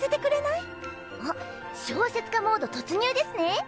おっ小説家モード突入ですね。